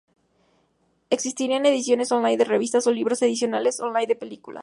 Existirían ediciones on-line de revistas o libros y ediciones on-line de películas.